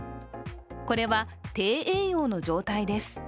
これは低栄養の状態です。